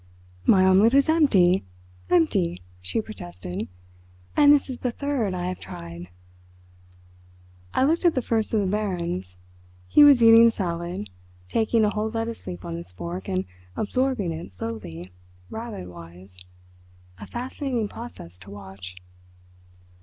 "My omelette is empty—empty," she protested, "and this is the third I have tried!" I looked at the First of the Barons. He was eating salad—taking a whole lettuce leaf on his fork and absorbing it slowly, rabbit wise—a fascinating process to watch.